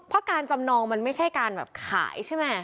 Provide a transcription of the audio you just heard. เพราะการจำนองมันไม่ใช่การแบบขายใช่ไหม